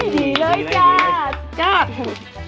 ดีเลยจ๊ะจ๊ะ